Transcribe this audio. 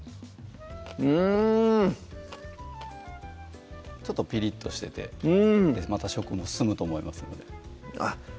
うんちょっとピリッとしててうんまた食も進むと思いますのであっ